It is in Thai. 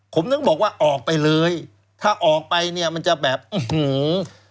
ผมถึงบอกว่าออกไปเลยถ้าออกไปเนี่ยมันจะแบบอื้อหือ